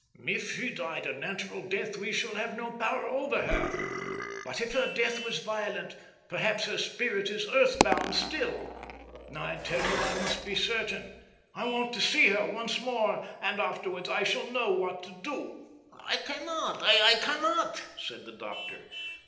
"If she died a natural death we shall have no power over her, but if her death was violent perhaps her spirit is earthbound still. I tell you I must be certain. I want to see her once more, and afterwards I shall know what to do." "I cannot, I cannot," said the doctor.